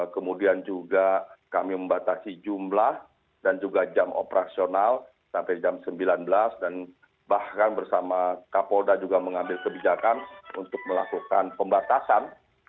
kemudian juga kami membatasi jumlah dan juga jam operasional sampai jam sembilan belas dan bahkan bersama kapolda juga mengambil kebijakan untuk melakukan pembatasan